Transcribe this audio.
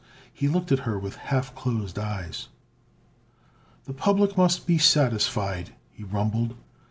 He looked at her with half closed eyes. "The public must be satisfied," he rumbled.